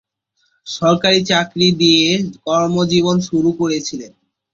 সরকারি চাকরি দিয়ে কর্মজীবন শুরু করেছিলেন।